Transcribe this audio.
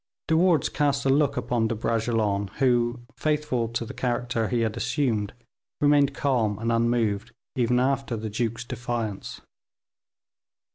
De Wardes cast a look upon De Bragelonne, who, faithful to the character he had assumed, remained calm and unmoved, even after the duke's defiance.